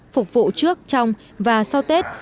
phục vụ trước trong và sau tết